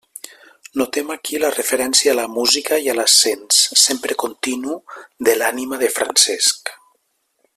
Notem aquí la referència a la música i a l'ascens, sempre continu, de l'ànima de Francesc.